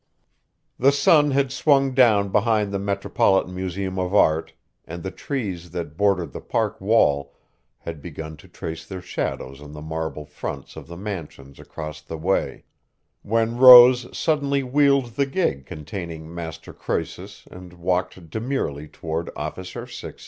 The sun had swung down behind the Metropolitan Museum of Art and the trees that bordered the Park wall had begun to trace their shadows on the marble fronts of the mansions across the way when Rose suddenly wheeled the gig containing Master Croesus and walked demurely toward Officer 666.